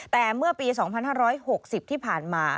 แต่เมื่อปี๒๕๖๐ที่ผ่านมา